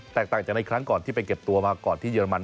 ต่างจากในครั้งก่อนที่ไปเก็บตัวมาก่อนที่เรมัน